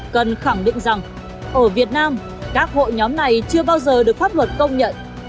cần khẳng định rằng ở việt nam các hội nhóm này chưa bao giờ được pháp luật công nhận